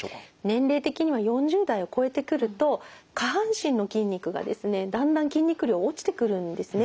年齢的には４０代を超えてくると下半身の筋肉がですねだんだん筋肉量落ちてくるんですね。